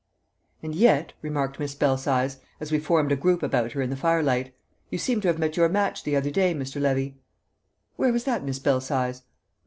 "And yet," remarked Miss Belsize, as we formed a group about her in the firelight, "you seem to have met your match the other day, Mr. Levy?" "Where was that, Miss Belsize?"